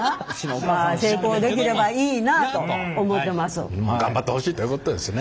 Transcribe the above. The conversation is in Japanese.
それは頑張ってほしいということですね。